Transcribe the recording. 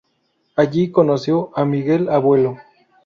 Allí conoció a Miguel Abuelo.